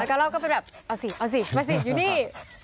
แล้วก็เราก็ไปแบบเอาสิเอาสิมาสิอยู่นี่